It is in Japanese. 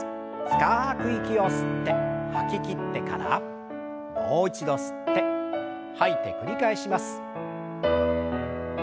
深く息を吸って吐ききってからもう一度吸って吐いて繰り返します。